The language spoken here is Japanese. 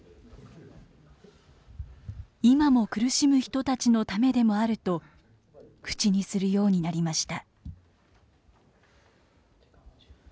「今も苦しむ人たちのためでもある」と口にするようになりました。